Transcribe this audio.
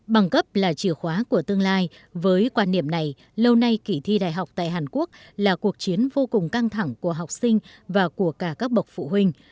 bằng cấp là chìa khóa của tương lai với quan niệm này lâu nay kỷ thi đại học tại hàn quốc là cuộc chiến vô cùng căng thẳng của học sinh và của cả các bậc phụ huynh